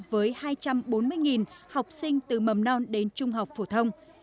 với hai trăm bốn mươi học sinh từ mầm non đến trung học phổ thông